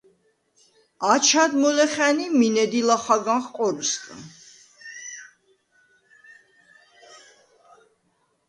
აჩად მოლე ხა̈ნ ი მინე დი ლახაგანხ ყორისგა.